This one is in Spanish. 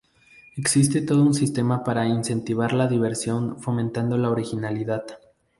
Existe todo un sistema para incentivar la diversión fomentando la originalidad.